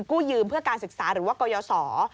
กู้ยืมเพื่อการศึกษาหรือว่ากรยศ